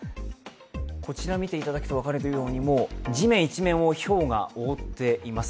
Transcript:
こちらを見ていただくと分かるように、もう地面一面をひょうが覆っています。